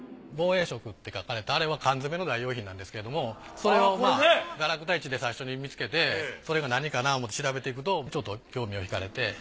防衛食って書かれたあれは缶詰の代用品なんですけれどもそれをガラクタ市で最初に見つけてそれが何かな思って調べていくとちょっと興味を引かれて。